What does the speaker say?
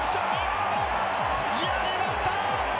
やりました。